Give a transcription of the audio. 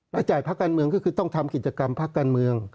จ่ายภาคการเมืองก็คือต้องทำกิจกรรมพักการเมือง